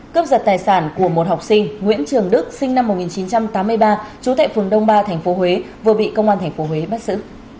cấp giật tài sản của một học sinh nguyễn trường đức sinh năm một nghìn chín trăm tám mươi ba trú tại phường đông ba tp huế vừa bị công an tp huế bắt xử